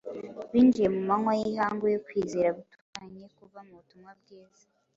binjiye mu manywa y’ihangu yo kwizera gutunganye kuva mu butumwa bwiza.